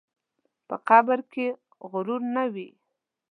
په قبر کې غرور نه وي.